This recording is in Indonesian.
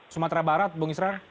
sumatera barat bung israr